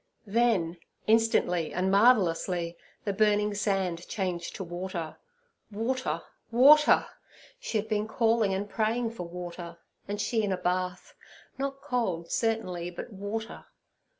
Then instantly and marvellously the burning sand changed to water. Water, water! She had been calling and praying for water, and she in a bath—not cold, certainly, but water.